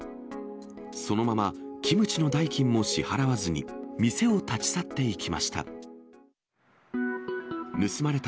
そのまま、キムチの代金も支払わずに、店を立ち去っていきました。